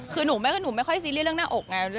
คือหนูไม่ค่อยซีเรียสเรื่องหน้าอกไง